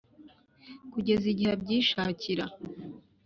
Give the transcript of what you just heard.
Kugeza igihe abyishakira.